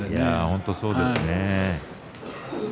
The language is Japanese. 本当にそうですね。